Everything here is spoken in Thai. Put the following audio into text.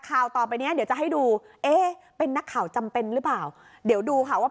ข่าวต่อไปเนี้ยเดี๋ยวจะให้ดูเอ๊ะเป็นนักข่าวจำเป็นหรือเปล่าเดี๋ยวดูค่ะว่า